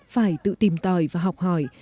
phải tự tìm tòi và học hỏi